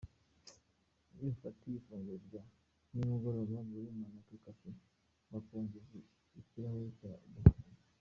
Iyo ufatiye ifunguro rya nimugoroba muri Monaco Cafe, bakongeza ikirahure cya divayi.